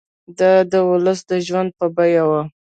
دا د ولس د ژوند په بیه وو.